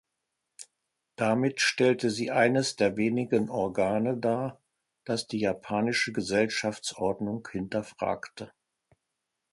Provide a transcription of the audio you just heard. Damit stellte sie eines der wenigen Organe dar, das die japanische Gesellschaftsordnung hinterfragte.